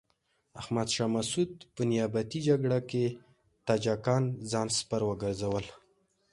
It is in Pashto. احمد شاه مسعود په نیابتي جګړه کې تاجکان ځان سپر وګرځول.